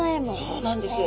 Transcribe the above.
そうなんです。